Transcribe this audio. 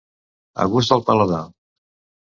A gust del paladar.